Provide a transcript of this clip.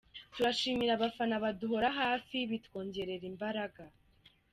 Turashimira abafana baduhora hafi bitwongerera imbaraga.